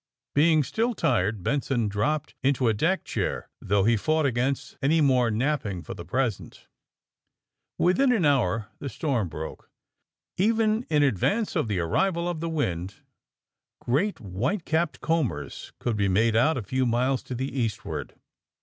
Being still tired Benson dropped into a deck chair, though he fought against any more nap ping for the present. Within an hour the storm broke. Even in advance of the arrival of the wind great white capped combers could be made out a few miles to the eastward.